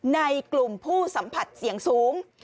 ในกลุ่มผู้สัมผัสเสี่ยงสูง